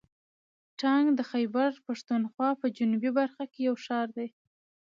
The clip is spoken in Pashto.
ټانک د خیبر پښتونخوا په جنوبي برخه کې یو ښار دی.